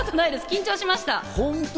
緊張しました。